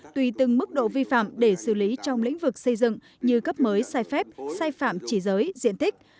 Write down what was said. tùy từng mức độ vi phạm để xử lý trong lĩnh vực xây dựng như cấp mới sai phép sai phạm chỉ giới diện tích